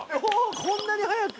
こんなに早く！